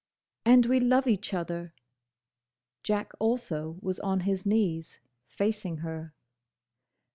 "And we love each other—" Jack also was on his knees, facing her.